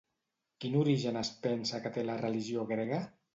Quin origen es pensa que té la religió grega?